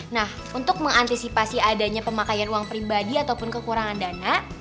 nah untuk mengantisipasi adanya pemakaian uang pribadi ataupun kekurangan dana